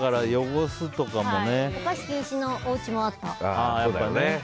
お菓子禁止のおうちもあった。